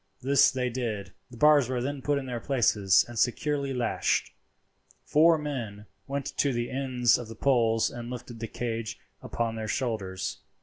This they did. The bars were then put in their places and securely lashed. Four men went to the ends of the poles and lifted the cage upon their shoulders.